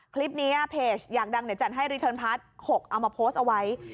เพจอยากดังเดี๋ยวจัดให้รีเทิร์นพาร์ท๖เอามาโพสต์เอาไว้